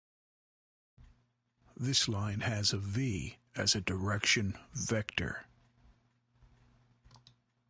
This line has v as a direction vector.